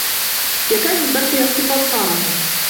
يَكَادُ الْبَرْقُ يَخْطَفُ أَبْصَارَهُمْ